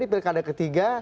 ini pilkada ketiga